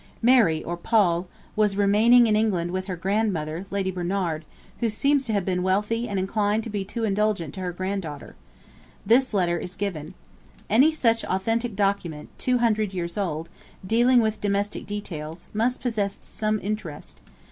Mary, or 'Poll,' was remaining in England with her grandmother, Lady Bernard, who seems to have been wealthy and inclined to be too indulgent to her granddaughter. This letter is given. Any such authentic document, two hundred years old, dealing with domestic details, must possess some interest.